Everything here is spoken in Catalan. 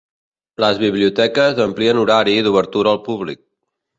Les biblioteques amplien horari d'obertura al públic